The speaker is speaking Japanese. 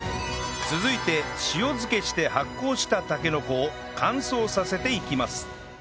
続いて塩漬けして発酵したたけのこを乾燥させていきます